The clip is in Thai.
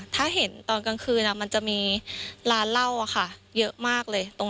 ถ้าเห็นตอนกลางคืนมันจะมีร้านเหล้าเยอะมากเลย